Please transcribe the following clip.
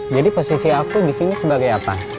jadi posisi aku disini sebagai apa